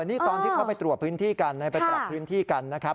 นี่ตอนที่เข้าไปตรวจพื้นที่กันในไปปรับพื้นที่กันนะครับ